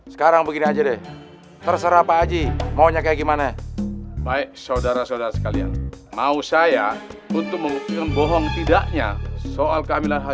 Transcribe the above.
selain saya mohon ngomong apapun juga sudah mana